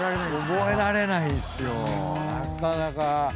覚えられないんすよなかなか。